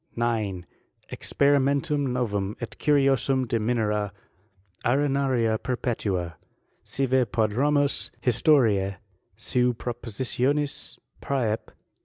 9. Experimentum novum et curiosum de Minera arenaria perpetua, sive prodromus historice seu propo* sitionis Prsep.